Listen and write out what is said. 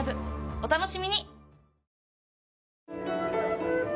お楽しみに！